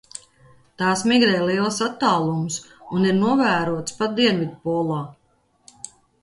Tās migrē lielus attālumus un ir novērotas pat dienvidpolā.